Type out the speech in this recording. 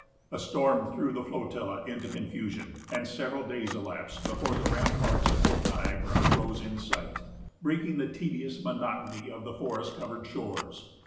A storm threw the flotilla into confusion; and several days elapsed before the ramparts of Fort Niagara rose in sight, breaking the tedious monotony of the forest covered shores.